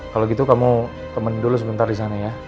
kalau gitu kamu temen dulu sebentar disana ya